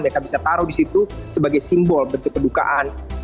mereka bisa taruh di situ sebagai simbol bentuk kedukaan